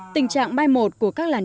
tình trạng bay một của các làn dân ca